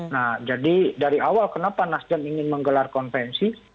nah jadi dari awal kenapa nasdem ingin menggelar konvensi